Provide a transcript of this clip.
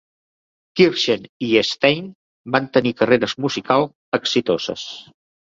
Kirchen i Stein van tenir carreres musicals exitoses.